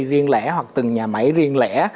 riêng lẻ hoặc từng nhà máy riêng lẻ